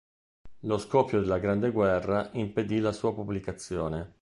Lo scoppio della Grande Guerra impedì la sua pubblicazione.